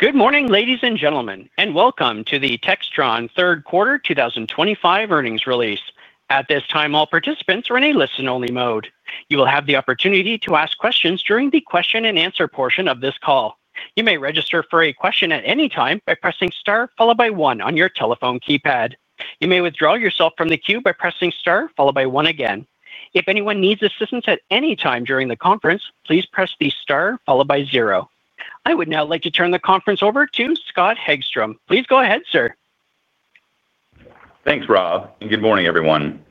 Good morning, ladies and gentlemen, and welcome to the Textron third quarter 2025 earnings release. At this time, all participants are in a listen-only mode. You will have the opportunity to ask questions during the question and answer portion of this call. You may register for a question at any time by pressing Star followed by one on your telephone keypad. You may withdraw yourself from the queue by pressing Star followed by one again. If anyone needs assistance at any time during the conference, please press the Star followed by zero. I would now like to turn the conference over to Scott P. Hegstrom. Please go ahead, sir. Thanks, Rob, and good morning, everyone.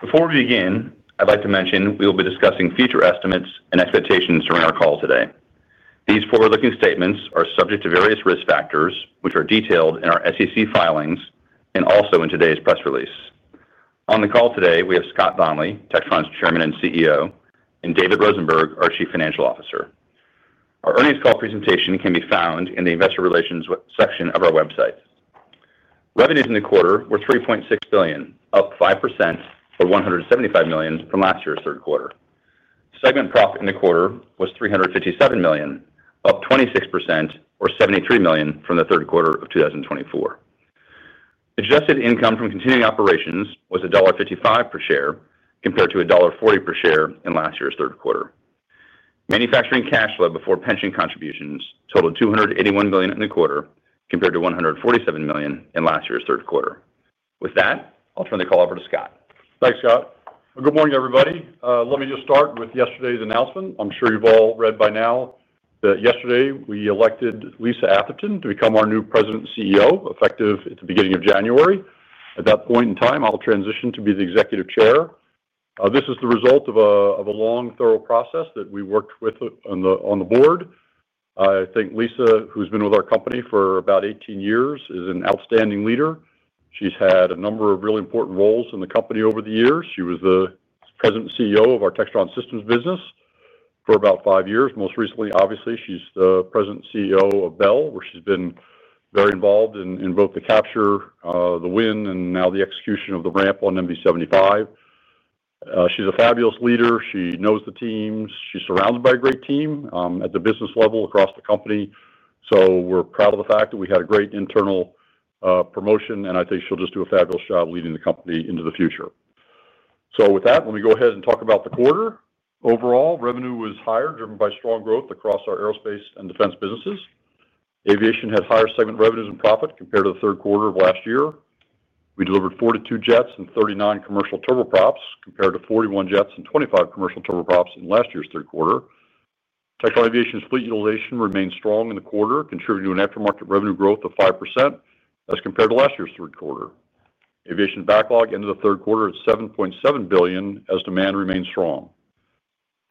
Before we begin, I'd like to mention we will be discussing future estimates and expectations during our call today. These forward-looking statements are subject to various risk factors, which are detailed in our SEC filings and also in today's press release. On the call today, we have Scott Donnelly, Textron's Chairman and CEO, and David Rosenberg, our Chief Financial Officer. Our earnings call presentation can be found in the Investor Relations section of our website. Revenues in the quarter were $3.6 billion, up 5% or $175 million from last year's third quarter. Segment profit in the quarter was $357 million, up 26% or $73 million from the third quarter of 2024. Adjusted income from continuing operations was $1.55 per share, compared to $1.40 per share in last year's third quarter. Manufacturing cash flow before pension contributions totaled $281 million in the quarter, compared to $147 million in last year's third quarter. With that, I'll turn the call over to Scott. Thanks, Scott. Good morning, everybody. Let me just start with yesterday's announcement. I'm sure you've all read by now that yesterday we elected Lisa Atherton to become our new President and CEO, effective at the beginning of January. At that point in time, I'll transition to be the Executive Chair. This is the result of a long, thorough process that we worked with on the board. I think Lisa, who's been with our company for about 18 years, is an outstanding leader. She's had a number of really important roles in the company over the years. She was the President and CEO of our Textron Systems business for about five years. Most recently, obviously, she's the President and CEO of Bell, where she's been very involved in both the capture, the win, and now the execution of the ramp on MV-75. She's a fabulous leader. She knows the teams. She's surrounded by a great team at the business level across the company. We're proud of the fact that we had a great internal promotion, and I think she'll just do a fabulous job leading the company into the future. With that, let me go ahead and talk about the quarter. Overall, revenue was higher, driven by strong growth across our aerospace and defense businesses. Aviation had higher segment revenues and profit compared to the third quarter of last year. We delivered 42 jets and 39 commercial turboprops, compared to 41 jets and 25 commercial turboprops in last year's third quarter. Textron Aviation's fleet utilization remained strong in the quarter, contributing to an aftermarket revenue growth of 5% as compared to last year's third quarter. Aviation's backlog ended the third quarter at $7.7 billion as demand remained strong.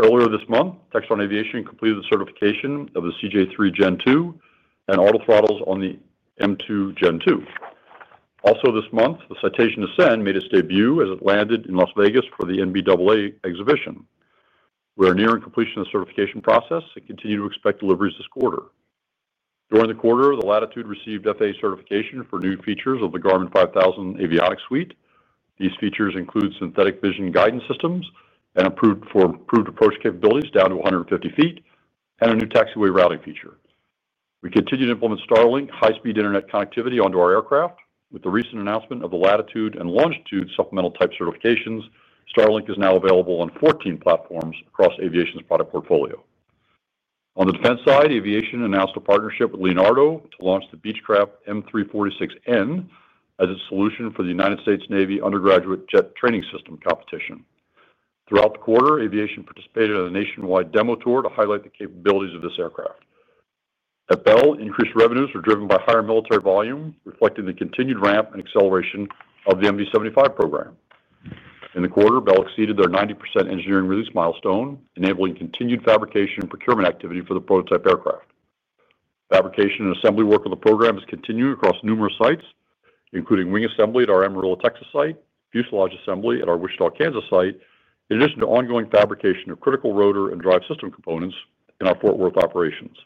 Earlier this month, Textron Aviation completed the certification of the CJ3 Gen 2 and auto throttles on the M2 Gen 2. Also this month, the Citation Ascend made its debut as it landed in Las Vegas for the NBAA exhibition. We are nearing completion of the certification process and continue to expect deliveries this quarter. During the quarter, the Latitude received FAA certification for new features of the Garmin 5000 Avionics Suite. These features include synthetic vision guidance systems and improved approach capabilities down to 150 ft and a new taxiway routing feature. We continue to implement Starlink high-speed internet connectivity onto our aircraft. With the recent announcement of the Latitude and Longitude supplemental type certifications, Starlink is now available on 14 platforms across Textron Aviation's product portfolio. On the defense side, Textron Aviation announced a partnership with Leonardo to launch the Beechcraft M346N as a solution for the US Navy undergraduate jet training system competition. Throughout the quarter, Textron Aviation participated in a nationwide demo tour to highlight the capabilities of this aircraft. At Bell, increased revenues are driven by higher military volume, reflecting the continued ramp and acceleration of the MV-75 program. In the quarter, Bell exceeded their 90% engineering release milestone, enabling continued fabrication and procurement activity for the prototype aircraft. Fabrication and assembly work of the program has continued across numerous sites, including wing assembly at our Amarillo, Texas site, fuselage assembly at our Wichita, Kansas site, in addition to ongoing fabrication of critical rotor and drive system components in our Fort Worth operations.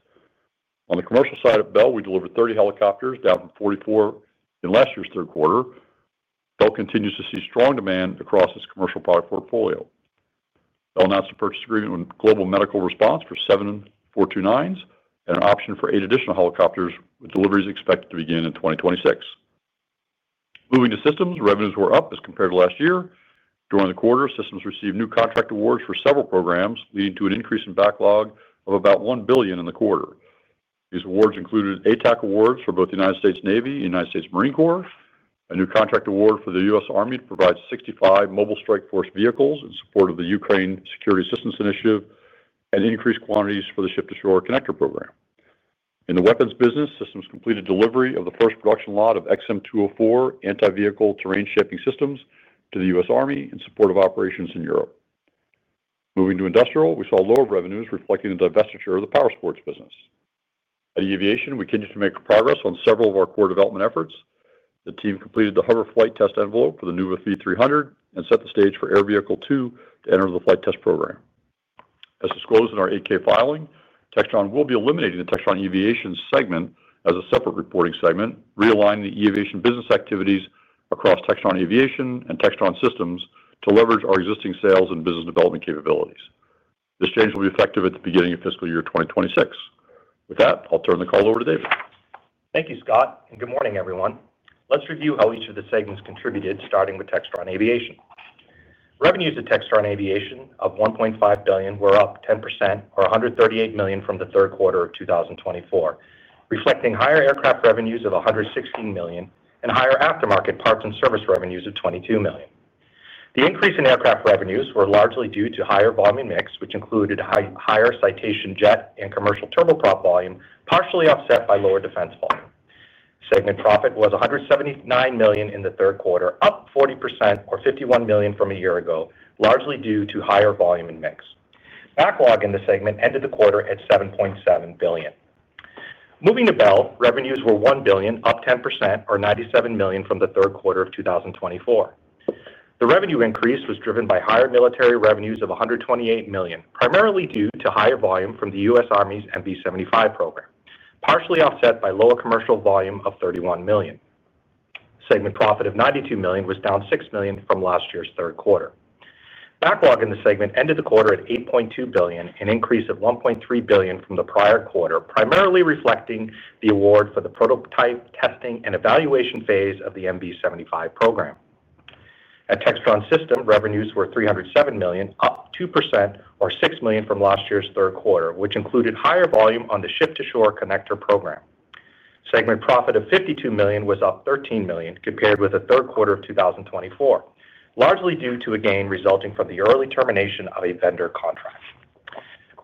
On the commercial side of Bell, we delivered 30 helicopters, down from 44 in last year's third quarter. Bell continues to see strong demand across its commercial product portfolio. Bell announced a purchase agreement with Global Medical Response for seven Bell 429s and an option for eight additional helicopters, with deliveries expected to begin in 2026. Moving to systems, revenues were up as compared to last year. During the quarter, Textron Systems received new contract awards for several programs, leading to an increase in backlog of about $1 billion in the quarter. These awards included ATAC awards for both the US Navy and the US Marine Corps, a new contract award for the US Army to provide 65 mobile strike force vehicles in support of the Ukraine Security Assistance Initiative, and increased quantities for the Ship-to-Shore Connector program. In the weapons business, Textron Systems completed delivery of the first production lot of XM204 anti-vehicle terrain shaping systems to the US Army in support of operations in Europe. Moving to industrial, we saw lower revenues reflecting the divestiture of the power sports business. At Textron Aviation, we continue to make progress on several of our core development efforts. The team completed the hover flight test envelope for the Nuva V300 and set the stage for Air Vehicle 2 to enter the flight test program. As disclosed in our 8K filing, Textron will be eliminating the Textron Aviation segment as a separate reporting segment, realigning the aviation business activities across Textron Aviation and Textron Systems to leverage our existing sales and business development capabilities. This change will be effective at the beginning of fiscal year 2026. With that, I'll turn the call over to David. Thank you, Scott, and good morning, everyone. Let's review how each of the segments contributed, starting with Textron Aviation. Revenues at Textron Aviation of $1.5 billion were up 10% or $138 million from the third quarter of 2024, reflecting higher aircraft revenues of $116 million and higher aftermarket parts and service revenues of $22 million. The increase in aircraft revenues was largely due to higher volume mix, which included higher Citation jet and commercial turboprop volume, partially offset by lower defense volume. Segment profit was $179 million in the third quarter, up 40% or $51 million from a year ago, largely due to higher volume and mix. Backlog in the segment ended the quarter at $7.7 billion. Moving to Bell, revenues were $1 billion, up 10% or $97 million from the third quarter of 2024. The revenue increase was driven by higher military revenues of $128 million, primarily due to higher volume from the US Army's MV-75 program, partially offset by lower commercial volume of $31 million. Segment profit of $92 million was down $6 million from last year's third quarter. Backlog in the segment ended the quarter at $8.2 billion, an increase of $1.3 billion from the prior quarter, primarily reflecting the award for the prototype testing and evaluation phase of the MV-75 program. At Textron Systems, revenues were $307 million, up 2% or $6 million from last year's third quarter, which included higher volume on the Ship-to-Shore Connector program. Segment profit of $52 million was up $13 million, compared with the third quarter of 2024, largely due to a gain resulting from the early termination of a vendor contract.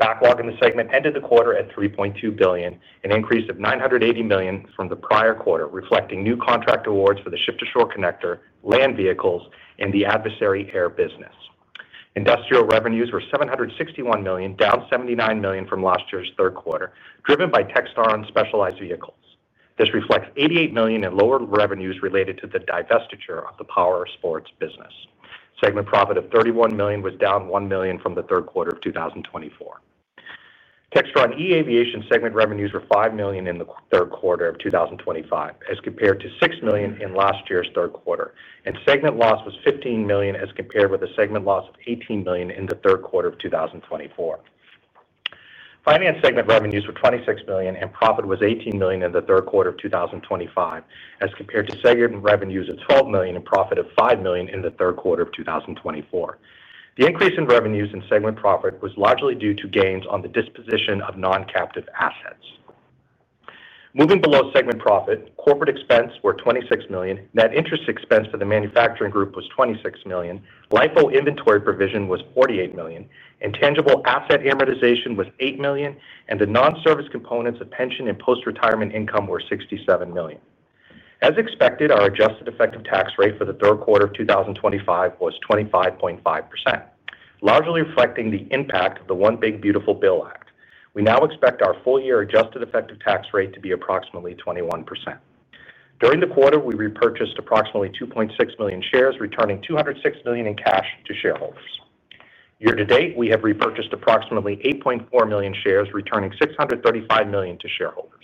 Backlog in the segment ended the quarter at $3.2 billion, an increase of $980 million from the prior quarter, reflecting new contract awards for the Ship-to-Shore Connector, land vehicles, and the Adversary Air Services business. Industrial revenues were $761 million, down $79 million from last year's third quarter, driven by Textron Specialized Vehicles. This reflects $88 million in lower revenues related to the divestiture of the powersports business. Segment profit of $31 million was down $1 million from the third quarter of 2024. Textron eAviation segment revenues were $5 million in the third quarter of 2025, as compared to $6 million in last year's third quarter, and segment loss was $15 million, as compared with a segment loss of $18 million in the third quarter of 2024. Finance segment revenues were $26 million, and profit was $18 million in the third quarter of 2025, as compared to segment revenues of $12 million and profit of $5 million in the third quarter of 2024. The increase in revenues and segment profit was largely due to gains on the disposition of non-captive assets. Moving below segment profit, corporate expense was $26 million, net interest expense for the manufacturing group was $26 million, LIFO inventory provision was $48 million, intangible asset amortization was $8 million, and the non-service components of pension and post-retirement income were $67 million. As expected, our adjusted effective tax rate for the third quarter of 2025 was 25.5%, largely reflecting the impact of the One Big Beautiful Bill Act. We now expect our full-year adjusted effective tax rate to be approximately 21%. During the quarter, we repurchased approximately 2.6 million shares, returning $206 million in cash to shareholders. Year to date, we have repurchased approximately 8.4 million shares, returning $635 million to shareholders.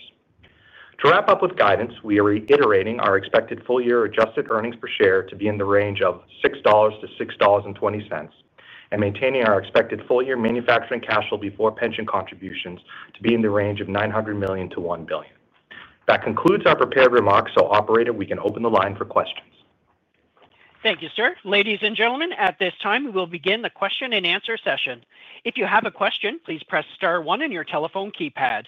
To wrap up with guidance, we are reiterating our expected full-year adjusted EPS to be in the range of $6 to $6.20, and maintaining our expected full-year manufacturing cash flow before pension contributions to be in the range of $900 million to $1 billion. That concludes our prepared remarks, so operator, we can open the line for questions. Thank you, sir. Ladies and gentlemen, at this time, we will begin the question and answer session. If you have a question, please press Star one on your telephone keypad.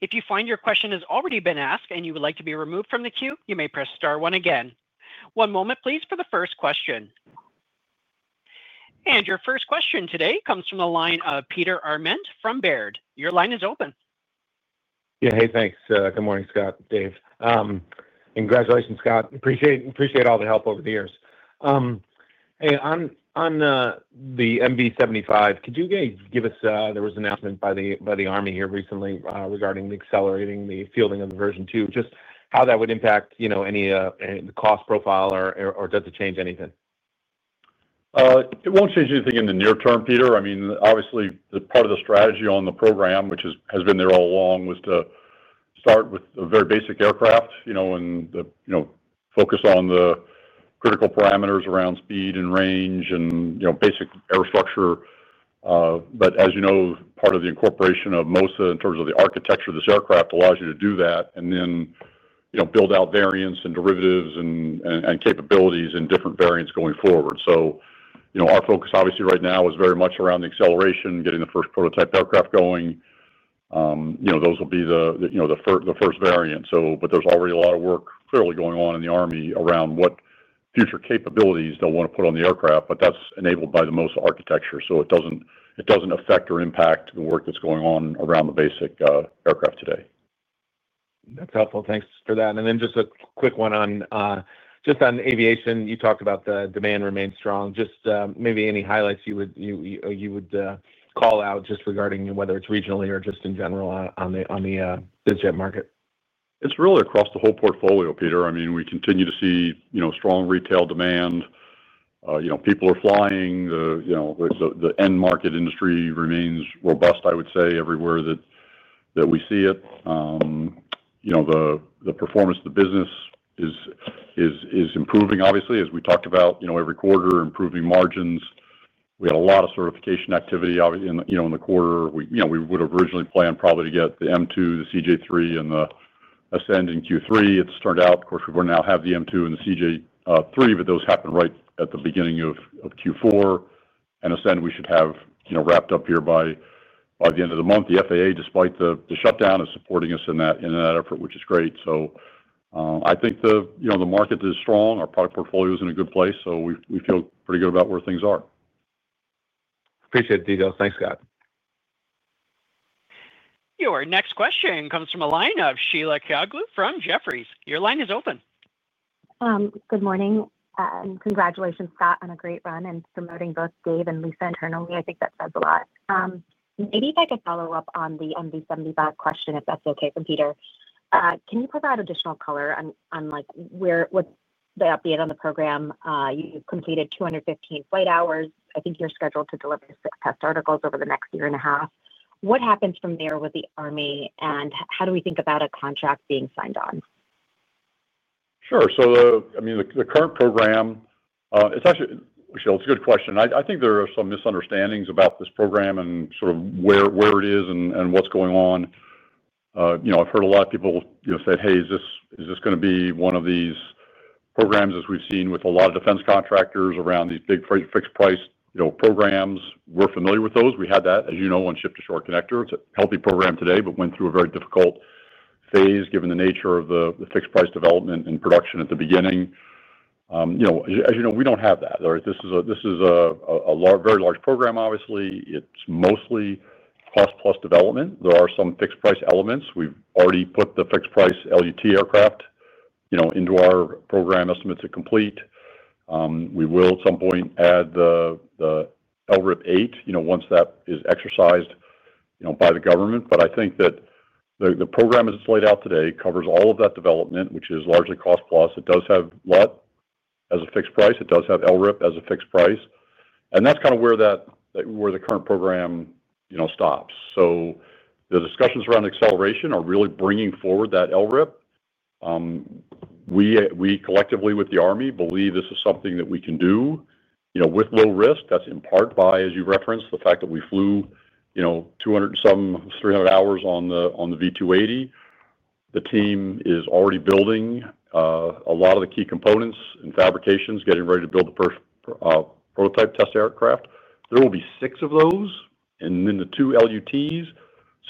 If you find your question has already been asked and you would like to be removed from the queue, you may press Star one again. One moment, please, for the first question. Your first question today comes from the line of Peter Arment from Baird. Your line is open. Yeah, hey, thanks. Good morning, Scott, Dave. Congratulations, Scott. Appreciate all the help over the years. Hey, on the MV-75, could you give us, there was an announcement by the Army here recently regarding accelerating the fielding of the version two, just how that would impact any of the cost profile, or does it change anything? It won't change anything in the near term, Peter. Obviously, part of the strategy on the program, which has been there all along, was to start with a very basic aircraft, you know, and focus on the critical parameters around speed and range and, you know, basic air structure. As you know, part of the incorporation of MOSA in terms of the architecture of this aircraft allows you to do that and then build out variants and derivatives and capabilities in different variants going forward. Our focus, obviously, right now is very much around the acceleration, getting the first prototype aircraft going. Those will be the first variant. There's already a lot of work clearly going on in the US Army around what future capabilities they'll want to put on the aircraft, but that's enabled by the MOSA architecture. It doesn't affect or impact the work that's going on around the basic aircraft today. That's helpful. Thanks for that. Just a quick one on aviation, you talked about the demand remains strong. Maybe any highlights you would call out just regarding whether it's regionally or just in general on the jet market? It's really across the whole portfolio, Peter. I mean, we continue to see strong retail demand. People are flying. The end market industry remains robust, I would say, everywhere that we see it. The performance of the business is improving, obviously, as we talked about every quarter, improving margins. We had a lot of certification activity, obviously, in the quarter. We would have originally planned probably to get the M2, the CJ3 Gen 2, and the Citation Ascend in Q3. It’s turned out, of course, we now have the M2 and the CJ3 Gen 2, but those happened right at the beginning of Q4. Citation Ascend, we should have wrapped up here by the end of the month. The FAA, despite the shutdown, is supporting us in that effort, which is great. I think the market is strong. Our product portfolio is in a good place. We feel pretty good about where things are. Appreciate the details. Thanks, Scott. Your next question comes from a line of Sheila Kahyaoglu from Jefferies. Your line is open. Good morning. Congratulations, Scott, on a great run in promoting both David and Lisa internally. I think that says a lot. Maybe if I could follow up on the MV-75 question, if that's okay from Peter. Can you provide additional color on what's the update on the program? You've completed 215 flight hours. I think you're scheduled to deliver six test articles over the next year and a half. What happens from there with the U. Army? How do we think about a contract being signed on? Sure. The current program, it's actually, Sheila, it's a good question. I think there are some misunderstandings about this program and sort of where it is and what's going on. I've heard a lot of people said, "Hey, is this going to be one of these programs as we've seen with a lot of defense contractors around these big fixed price programs?" We're familiar with those. We had that, as you know, on Ship-to-Shore Connector. It's a healthy program today, but went through a very difficult phase given the nature of the fixed price development and production at the beginning. As you know, we don't have that. This is a very large program, obviously. It's mostly cost-plus development. There are some fixed price elements. We've already put the fixed price LUT aircraft into our program estimates to complete. We will at some point add the LRIP-8 once that is exercised by the government. I think that the program as it's laid out today covers all of that development, which is largely cost-plus. It does have LUT as a fixed price. It does have LRIP as a fixed price. That's kind of where the current program stops. The discussions around acceleration are really bringing forward that LRIP. We, collectively with the U.S. Army, believe this is something that we can do with low risk. That's in part by, as you referenced, the fact that we flew 200 and some, 300 hours on the Bell V-280 Valor. The team is already building a lot of the key components and fabrications, getting ready to build the first prototype test aircraft. There will be six of those, and then the two LUTs.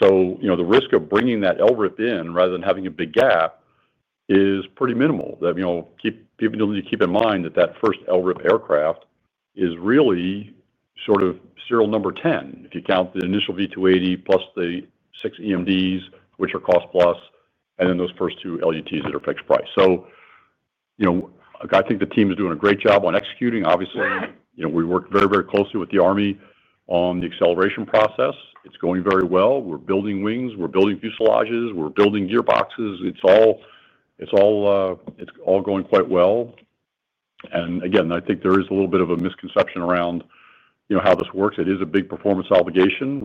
The risk of bringing that LRIP in rather than having a big gap is pretty minimal. People need to keep in mind that the first LRIP aircraft is really sort of serial number 10 if you count the initial Bell V-280 Valor plus the six EMDs, which are cost-plus, and then those first two LUTs that are fixed price. I think the team is doing a great job on executing. Obviously, we work very, very closely with the U.S. Army on the acceleration process. It's going very well. We're building wings. We're building fuselages. We're building gearboxes. It's all going quite well. I think there is a little bit of a misconception around how this works. It is a big performance obligation.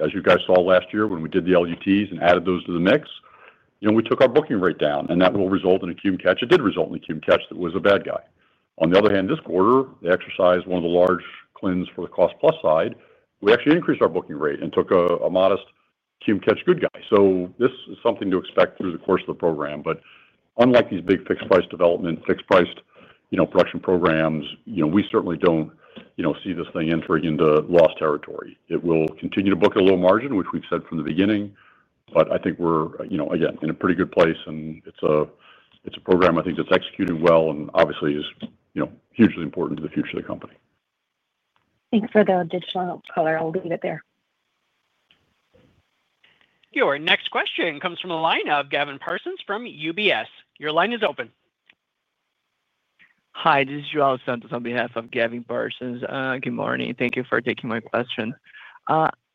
As you guys saw last year when we did the LUTs and added those to the mix, we took our booking rate down, and that resulted in a cube catch. It did result in a cube catch that was a bad guy. On the other hand, this quarter, they exercised one of the large cleans for the cost-plus side. We actually increased our booking rate and took a modest cube catch good guy. This is something to expect through the course of the program. Unlike these big fixed price development, fixed price production programs, we certainly don't see this thing entering into lost territory. It will continue to book at a low margin, which we've said from the beginning. I think we're in a pretty good place, and it's a program I think that's executing well and obviously is hugely important to the future of the company. Thanks for the additional color. I'll leave it there. Your next question comes from a line of Gavin Parsons from UBS. Your line is open. Hi, this is Joel Santos on behalf of Gavin Parsons. Good morning. Thank you for taking my question.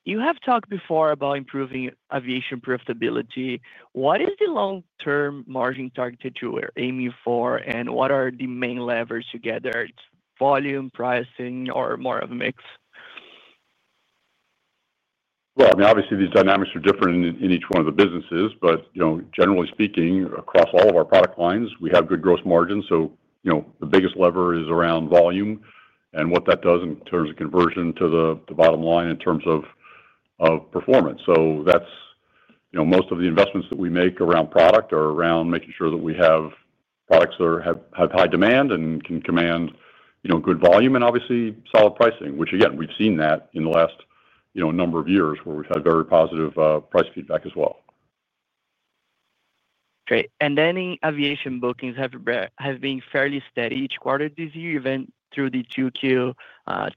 You have talked before about improving aviation profitability. What is the long-term margin target that you are aiming for, and what are the main levers you gathered? Volume, pricing, or more of a mix? These dynamics are different in each one of the businesses, but generally speaking, across all of our product lines, we have good gross margins. The biggest lever is around volume and what that does in terms of conversion to the bottom line in terms of performance. Most of the investments that we make around product are around making sure that we have products that have high demand and can command good volume and obviously solid pricing, which again, we've seen that in the last number of years where we've had very positive price feedback as well. Aviation bookings have been fairly steady each quarter this year, even through the Q2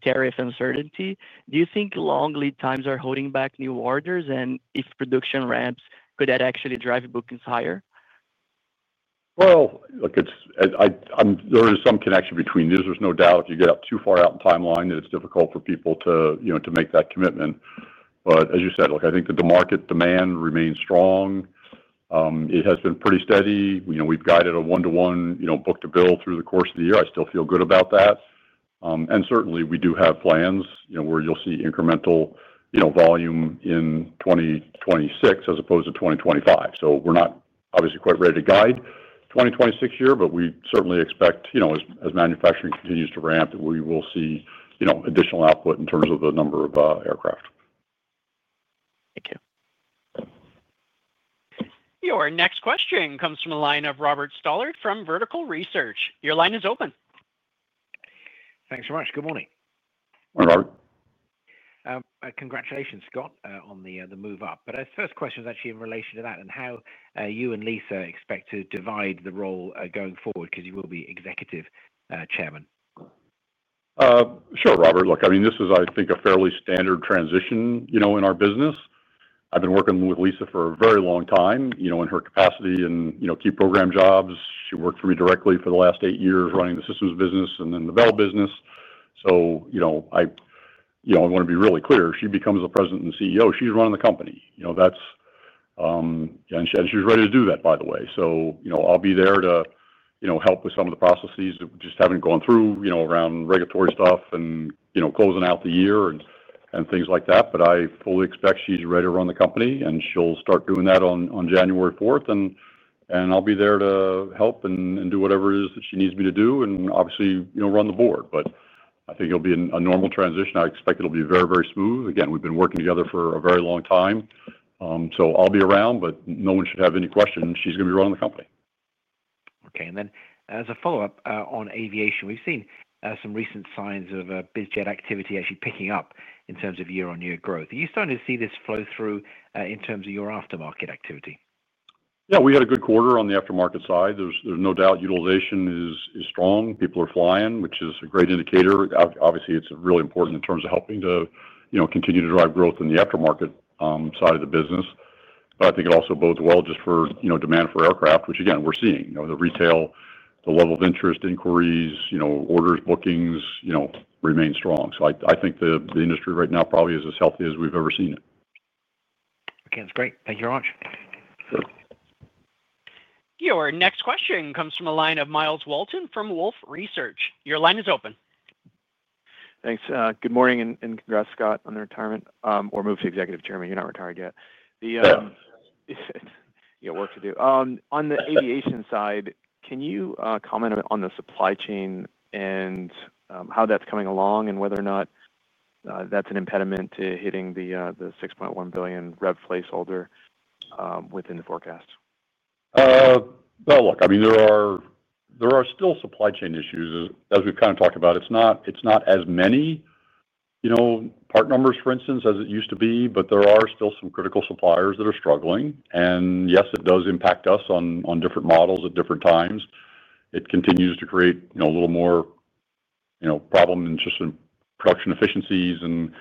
tariff uncertainty. Do you think long lead times are holding back new orders, and if production ramps, could that actually drive bookings higher? There is some connection between these. There's no doubt. You get up too far out in the timeline that it's difficult for people to, you know, to make that commitment. As you said, I think that the market demand remains strong. It has been pretty steady. We've guided a one-to-one, you know, book-to-bill through the course of the year. I still feel good about that. Certainly, we do have plans, you know, where you'll see incremental, you know, volume in 2026 as opposed to 2025. We're not obviously quite ready to guide the 2026 year, but we certainly expect, you know, as manufacturing continues to ramp, that we will see, you know, additional output in terms of the number of aircraft. Thank you. Your next question comes from a line of Robert Stollert from Vertical Research. Your line is open. Thanks so much. Good morning. Morning, Robert. Congratulations, Scott, on the move up. The first question is actually in relation to that and how you and Lisa expect to divide the role going forward because you will be Executive Chairman. Sure, Robert. I mean, this is, I think, a fairly standard transition in our business. I've been working with Lisa for a very long time in her capacity and key program jobs. She worked for me directly for the last eight years running the systems business and then the Bell business. I want to be really clear. If she becomes the President and CEO, she's running the company, and she's ready to do that, by the way. I'll be there to help with some of the processes that just haven't gone through around regulatory stuff and closing out the year and things like that. I fully expect she's ready to run the company, and she'll start doing that on January 4th. I'll be there to help and do whatever it is that she needs me to do and obviously run the board. I think it'll be a normal transition. I expect it'll be very, very smooth. Again, we've been working together for a very long time. I'll be around, but no one should have any questions. She's going to be running the company. Okay. As a follow-up on aviation, we've seen some recent signs of business jet activity actually picking up in terms of year-on-year growth. Are you starting to see this flow through in terms of your aftermarket activity? Yeah, we had a good quarter on the aftermarket side. There's no doubt utilization is strong. People are flying, which is a great indicator. It's really important in terms of helping to continue to drive growth in the aftermarket side of the business. I think it also bodes well just for demand for aircraft, which again, we're seeing. The retail, the level of interest, inquiries, orders, bookings, remain strong. I think the industry right now probably is as healthy as we've ever seen it. Okay, that's great. Thank you very much. Sure. Your next question comes from a line of Myles Walton from Wolfe Research. Your line is open. Thanks. Good morning and congrats, Scott, on the retirement or move to Executive Chairman. You're not retired yet. Yeah. You got work to do. On the aviation side, can you comment on the supply chain and how that's coming along and whether or not that's an impediment to hitting the $6.1 billion revenue placeholder within the forecast? There are still supply chain issues, as we've kind of talked about. It's not as many part numbers, for instance, as it used to be, but there are still some critical suppliers that are struggling. Yes, it does impact us on different models at different times. It continues to create a little more problems in production efficiencies and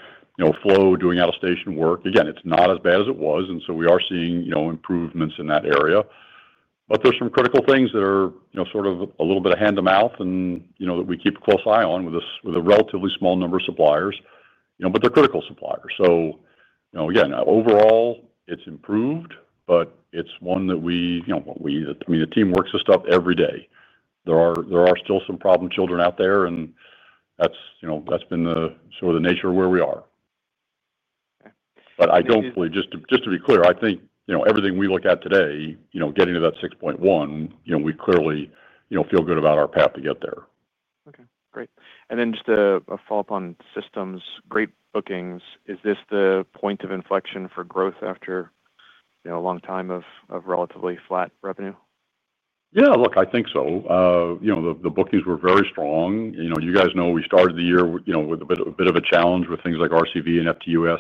flow doing out-of-station work. It's not as bad as it was. We are seeing improvements in that area. There are some critical things that are sort of a little bit of hand-to-mouth, and we keep a close eye on them with a relatively small number of suppliers, but they're critical suppliers. Overall, it's improved, but it's one that we, I mean, the team works this stuff every day. There are still some problem children out there, and that's been the sort of the nature of where we are. Okay. I don't believe, just to be clear, I think everything we look at today, getting to that $6.1, we clearly feel good about our path to get there. Okay. Great. Just a follow-up on systems, great bookings. Is this the point of inflection for growth after, you know, a long time of relatively flat revenue? Yeah, look, I think so. The bookings were very strong. You guys know we started the year with a bit of a challenge with things like RCV and FTUS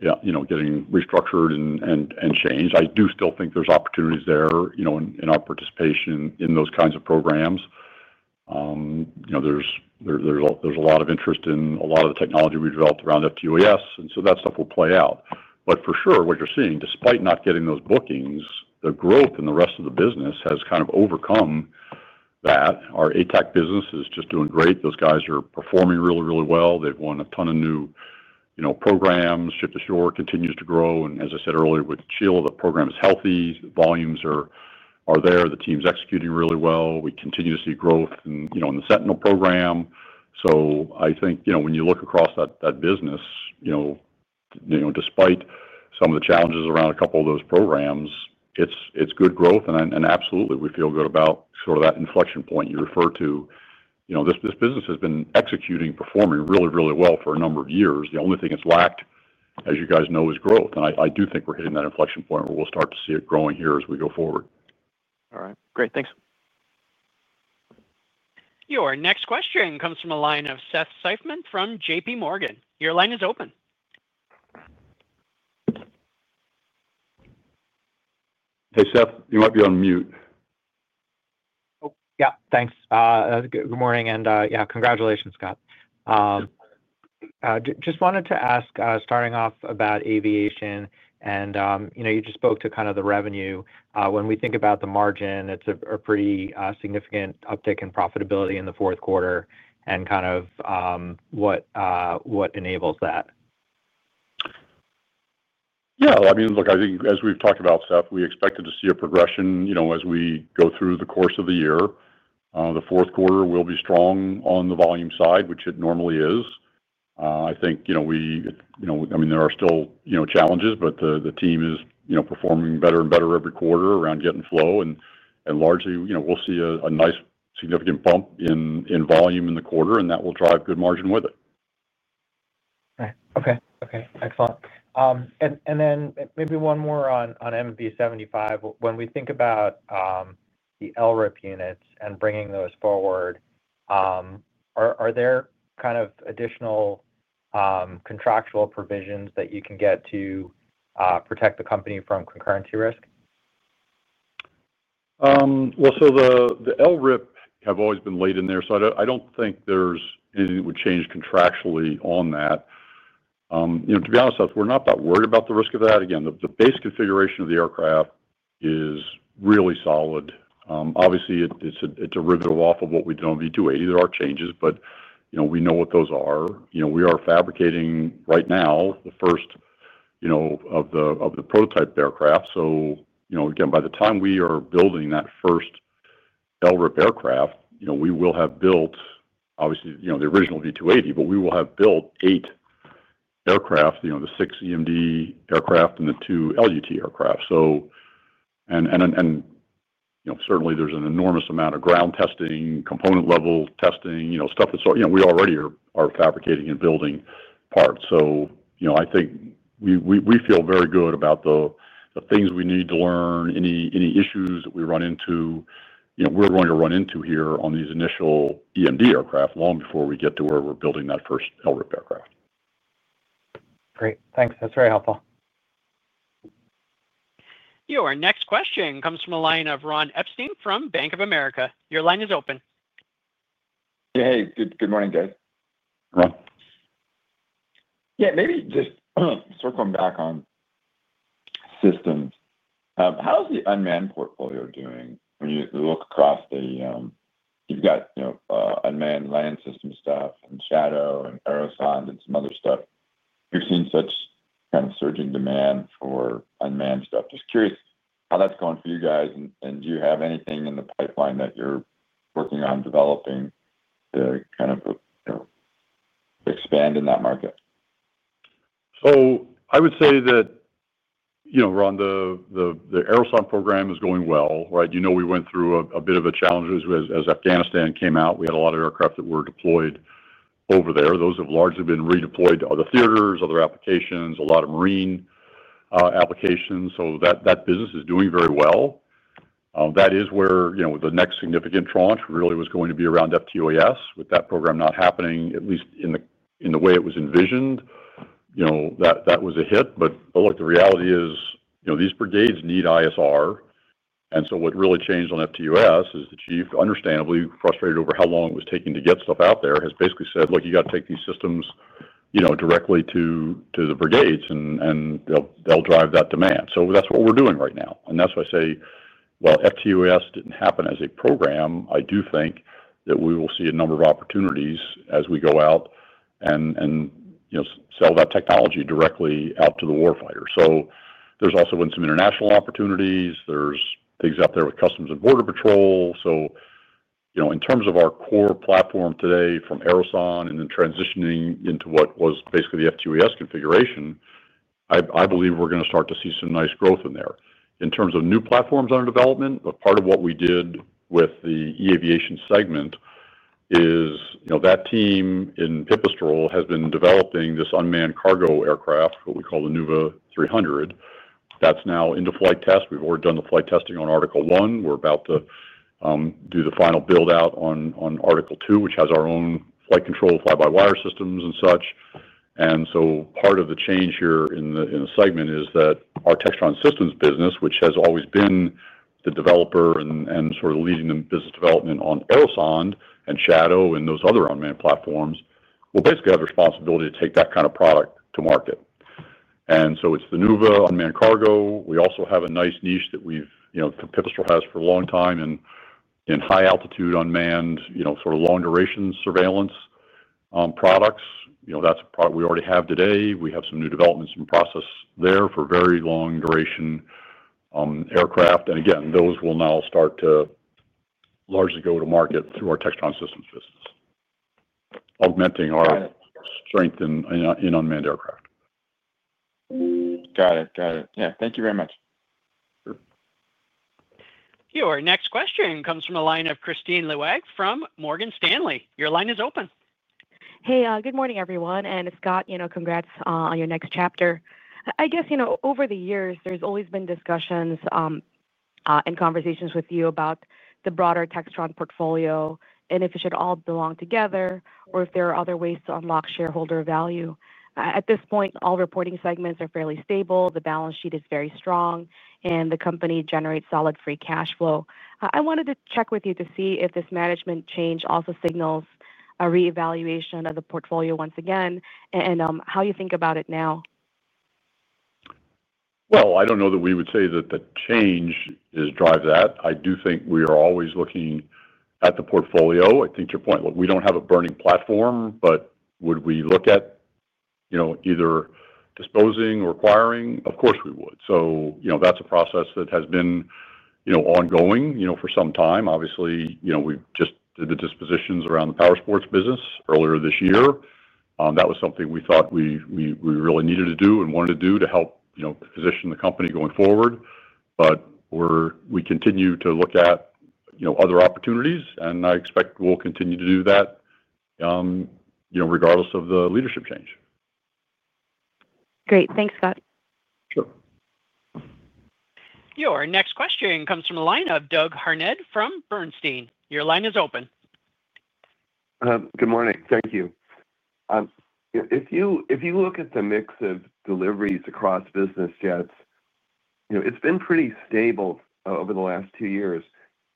getting restructured and changed. I do still think there's opportunities there in our participation in those kinds of programs. There's a lot of interest in a lot of the technology we've developed around FTUS, and that stuff will play out. For sure, what you're seeing, despite not getting those bookings, the growth in the rest of the business has kind of overcome that. Our ATAC business is just doing great. Those guys are performing really, really well. They've won a ton of new programs. Ship-to-Shore Connector continues to grow. As I said earlier with Chill, the program is healthy. Volumes are there. The team's executing really well. We continue to see growth in the Sentinel program. I think when you look across that business, despite some of the challenges around a couple of those programs, it's good growth. Absolutely, we feel good about sort of that inflection point you referred to. This business has been executing, performing really, really well for a number of years. The only thing it's lacked, as you guys know, is growth. I do think we're hitting that inflection point where we'll start to see it growing here as we go forward. All right. Great, thanks. Your next question comes from a line of Seth Seifman from JP Morgan. Your line is open. Hey, Seth. You might be on mute. Thanks. Good morning. Congratulations, Scott. I just wanted to ask, starting off about aviation, you just spoke to the revenue. When we think about the margin, it's a pretty significant uptick in profitability in the fourth quarter. What enables that? Yeah, I mean, look, I think as we've talked about, Seth, we expected to see a progression as we go through the course of the year. The fourth quarter will be strong on the volume side, which it normally is. I think there are still challenges, but the team is performing better and better every quarter around getting flow. Largely, we'll see a nice significant bump in volume in the quarter, and that will drive good margin with it. Right. Okay. Excellent. Maybe one more on MV-75. When we think about the LRIP units and bringing those forward, are there kind of additional contractual provisions that you can get to protect the company from concurrency risk? The LRIP have always been laid in there. I don't think there's anything that would change contractually on that. To be honest, Seth, we're not that worried about the risk of that. Again, the base configuration of the aircraft is really solid. Obviously, it's a derivative off of what we did on V-280. There are changes, but we know what those are. We are fabricating right now the first of the prototype aircraft. By the time we are building that first LRIP aircraft, we will have built, obviously, the original V-280, but we will have built eight aircraft, the six EMD aircraft and the two LUT aircraft. Certainly, there's an enormous amount of ground testing, component-level testing, stuff that's, we already are fabricating and building parts. I think we feel very good about the things we need to learn, any issues that we run into, we're going to run into here on these initial EMD aircraft long before we get to where we're building that first LRIP aircraft. Great. Thanks. That's very helpful. Your next question comes from a line of Ron Epstein from Bank of America. Your line is open. Hey, good morning, David. Ronald. Yeah, maybe just circling back on Systems. How's the unmanned portfolio doing? When you look across the, you've got, you know, unmanned land system stuff and Shadow and Aerosonde and some other stuff. You've seen such kind of surging demand for unmanned stuff. Just curious how that's going for you guys, and do you have anything in the pipeline that you're working on developing to kind of expand in that market? I would say that, you know, Ron, the Aerosonde program is going well, right? We went through a bit of a challenge as Afghanistan came out. We had a lot of aircraft that were deployed over there. Those have largely been redeployed to other theaters, other applications, a lot of marine applications. That business is doing very well. That is where the next significant tranche really was going to be around FTOS. With that program not happening, at least in the way it was envisioned, that was a hit. The reality is, these brigades need ISR. What really changed on FTOS is the Chief, understandably frustrated over how long it was taking to get stuff out there, has basically said, "Look, you got to take these systems directly to the brigades, and they'll drive that demand." That's what we're doing right now. That's why I say, while FTOS didn't happen as a program, I do think that we will see a number of opportunities as we go out and sell that technology directly out to the warfighters. There's also been some international opportunities. There are things out there with Customs and Border Patrol. In terms of our core platform today from Aerosonde and then transitioning into what was basically the FTOS configuration, I believe we're going to start to see some nice growth in there. In terms of new platforms under development, part of what we did with the eAviation segment is that team in Pipistrel has been developing this unmanned cargo aircraft, what we call the Nuva 300. That's now into flight test. We've already done the flight testing on Article One. We're about to do the final build-out on Article Two, which has our own flight control fly-by-wire systems and such. Part of the change here in the segment is that our Textron Systems business, which has always been the developer and sort of leading the business development on Aerosonde and Shadow and those other unmanned platforms, will basically have the responsibility to take that kind of product to market. It's the Nuva unmanned cargo. We also have a nice niche that Pipistrel has for a long time in high altitude unmanned, sort of long duration surveillance products. That's a product we already have today. We have some new developments in process there for very long duration aircraft. Those will now start to largely go to market through our Textron Systems business, augmenting our strength in unmanned aircraft. Got it. Thank you very much. Sure. Your next question comes from a line of Christine Lueg from Morgan Stanley. Your line is open. Hey, good morning, everyone. Scott, congrats on your next chapter. Over the years, there's always been discussions and conversations with you about the broader Textron portfolio and if it should all belong together or if there are other ways to unlock shareholder value. At this point, all reporting segments are fairly stable. The balance sheet is very strong, and the company generates solid free cash flow. I wanted to check with you to see if this management change also signals a reevaluation of the portfolio once again and how you think about it now. I don't know that we would say that the change is driving that. I do think we are always looking at the portfolio. To your point, look, we don't have a burning platform, but would we look at, you know, either disposing or acquiring? Of course, we would. That's a process that has been ongoing for some time. Obviously, we just did the divestitures around the power sports business earlier this year. That was something we thought we really needed to do and wanted to do to help position the company going forward. We continue to look at other opportunities, and I expect we'll continue to do that regardless of the leadership change. Great. Thanks, Scott. Sure. Your next question comes from a line of Doug Harnett from Bernstein. Your line is open. Good morning. Thank you. If you look at the mix of deliveries across business jets, you know, it's been pretty stable over the last two years.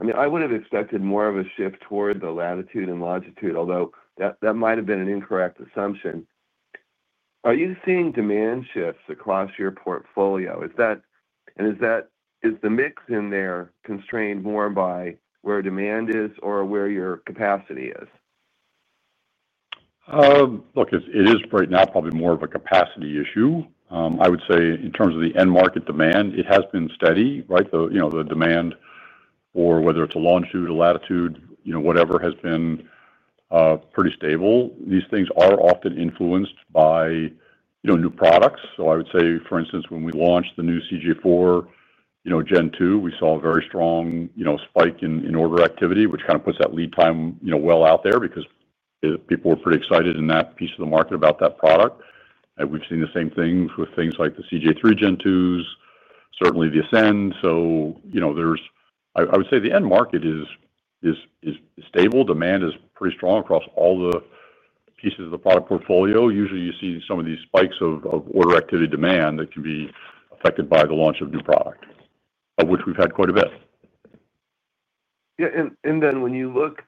I mean, I would have expected more of a shift toward the Latitude and Longitude, although that might have been an incorrect assumption. Are you seeing demand shifts across your portfolio? Is that, and is that, is the mix in there constrained more by where demand is or where your capacity is? Look, it is right now probably more of a capacity issue. I would say in terms of the end market demand, it has been steady, right? The demand for whether it's a Longitude or Latitude, whatever, has been pretty stable. These things are often influenced by new products. For instance, when we launched the new CJ4 Gen 2, we saw a very strong spike in order activity, which kind of puts that lead time well out there because people were pretty excited in that piece of the market about that product. We've seen the same things with things like the CJ3 Gen 2s, certainly the Ascend. I would say the end market is stable. Demand is pretty strong across all the pieces of the product portfolio. Usually, you see some of these spikes of order activity demand that can be affected by the launch of new product, of which we've had quite a bit. Yeah. When you look,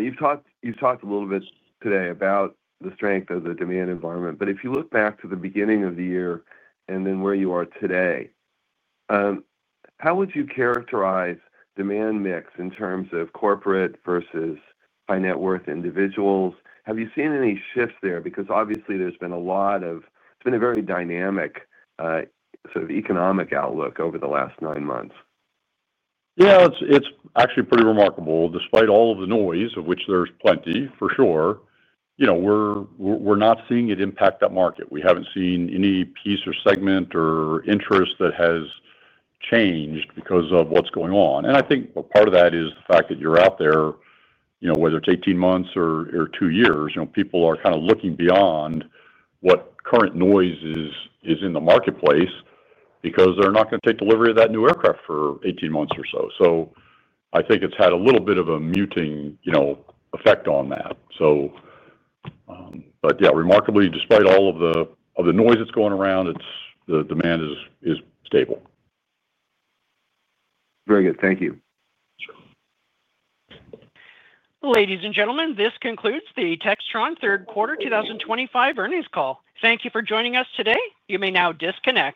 you've talked a little bit today about the strength of the demand environment. If you look back to the beginning of the year and then where you are today, how would you characterize demand mix in terms of corporate versus high net worth individuals? Have you seen any shifts there? Obviously, there's been a lot of, it's been a very dynamic sort of economic outlook over the last nine months. Yeah, it's actually pretty remarkable. Despite all of the noise, of which there's plenty for sure, we're not seeing it impact that market. We haven't seen any piece or segment or interest that has changed because of what's going on. I think part of that is the fact that you're out there, whether it's 18 months or two years, people are kind of looking beyond what current noise is in the marketplace because they're not going to take delivery of that new aircraft for 18 months or so. I think it's had a little bit of a muting effect on that. Remarkably, despite all of the noise that's going around, the demand is stable. Very good. Thank you. Sure. Ladies and gentlemen, this concludes the Textron third quarter 2025 earnings call. Thank you for joining us today. You may now disconnect.